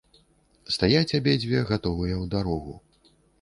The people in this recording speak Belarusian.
Стаяць абедзве, гатовыя ў дарогу.